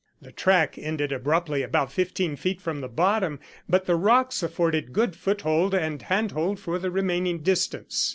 The track ended abruptly about fifteen feet from the bottom, but the rocks afforded good foothold and handhold for the remaining distance.